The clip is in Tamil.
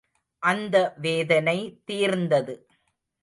அந்த வேதனை தீர்ந்தது!